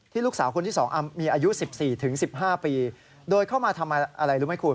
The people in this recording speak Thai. ลูกสาวคนที่๒มีอายุ๑๔ถึง๑๕ปีโดยเข้ามาทำอะไรรู้ไหมคุณ